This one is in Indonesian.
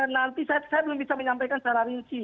nanti saya belum bisa menyampaikan secara rinci